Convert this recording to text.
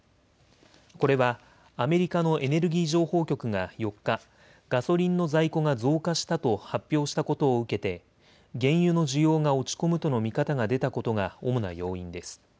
これはアメリカのエネルギー情報局が４日、ガソリンの在庫が増加したと発表したことを受けて原油の需要が落ち込むとの見方が出たことが主な要因です。